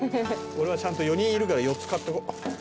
俺はちゃんと４人いるから４つ買っとこ。